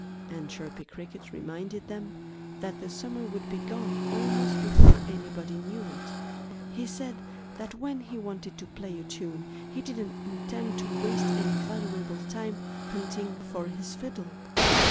And Chirpy Cricket reminded them that the summer would be gone almost before anybody knew it. He said that when he wanted to play a tune he didn't intend to waste any valuable time hunting for his fiddle.